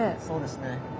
そうですね。